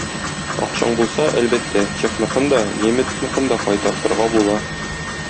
Акчаң булса, әлбәттә, чехныкын да, немецныкын да кайтартырга була.